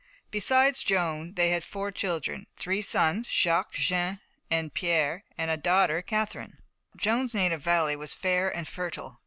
Besides Joan, they had four children three sons, Jacques, Jean and Pierre, and a daughter, Catherine. Joan's native valley was fair and fertile.